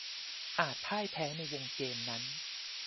อาจพ่ายแพ้ในวงเกมนั้น